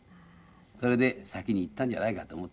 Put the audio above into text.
それで先にいったんじゃないかと思っていますね。